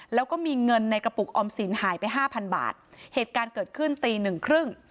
แล้วก็มีเงินในกระปุกออมสินหายไปห้าพันบาทเหตุการณ์เกิดขึ้นตีหนึ่งครึ่ง